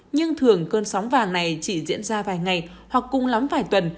nhưng thường cơn sóng vàng này chỉ diễn ra vài ngày hoặc cùng lắm vài tuần